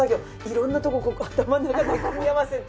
色んなところ頭の中で組み合わせて。